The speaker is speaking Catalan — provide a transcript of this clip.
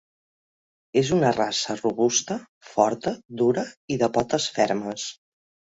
És una raça robusta, forta, dura i de potes fermes.